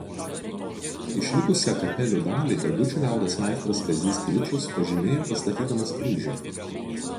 Išlikusią kapelių dalį Degučių liaudies meistras Kazys Kličius pažymėjo pastatydamas kryžių.